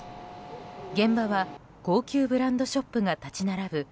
現場は高級ブランドショップが立ち並ぶ